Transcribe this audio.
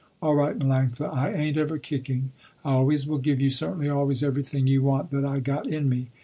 "All right Melanctha I ain't ever kicking. I always will give you certainly always everything you want that I got in me.